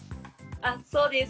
あそうです。